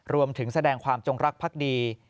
รวมถึงแสดงความจงรักภักดี